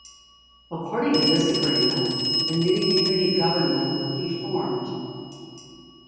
According to this agreement, a new unity government would be formed.